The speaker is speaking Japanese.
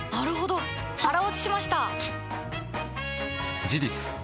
腹落ちしました！